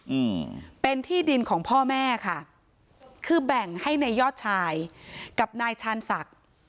อืมเป็นที่ดินของพ่อแม่ค่ะคือแบ่งให้นายยอดชายกับนายชาญศักดิ์